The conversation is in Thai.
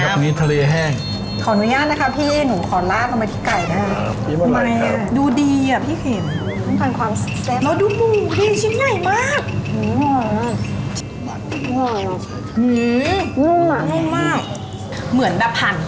โอ้ยขอบคุณนี่อะไรมากนะพี่พันธุ์